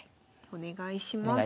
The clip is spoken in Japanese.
お願いします。